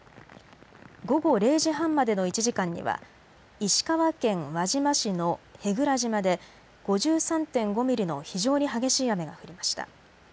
午後０時半までの１時間には石川県輪島市の舳倉島で５３．５ミリの非常に激しい雨が降りました。